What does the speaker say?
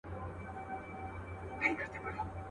نه هغه تللې زمانه سته زه به چیري ځمه.